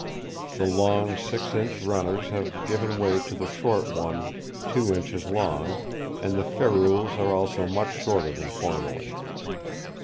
The long six inch runners have given way to the short one two inches long, and the ferrules are also much shorter than formerly.